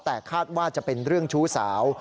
แต่คาดว่าจะเป็นเรื่องชู้สาว